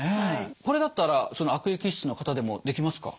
これだったらその悪液質の方でもできますか？